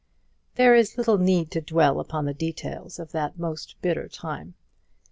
There is little need to dwell upon the details of that most bitter time.